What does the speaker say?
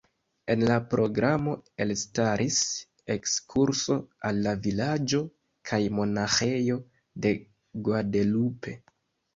En la programo elstaris ekskurso al la vilaĝo kaj monaĥejo de Guadalupe.